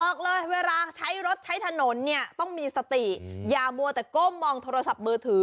บอกเลยเวลาใช้รถใช้ถนนเนี่ยต้องมีสติอย่ามัวแต่ก้มมองโทรศัพท์มือถือ